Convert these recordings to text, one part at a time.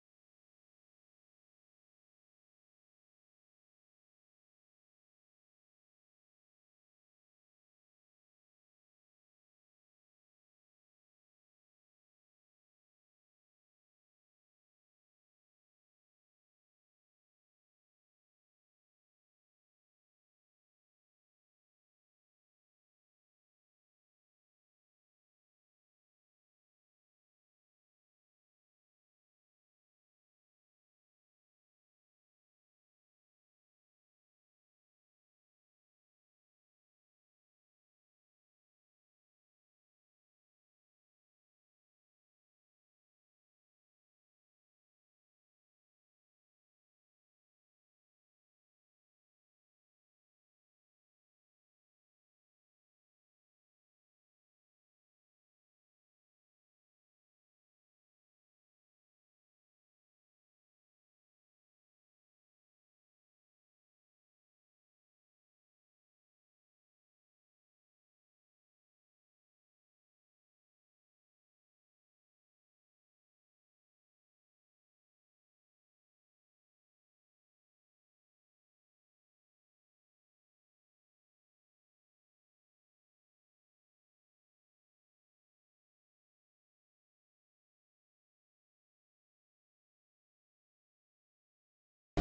jadi dia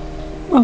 sudah berubah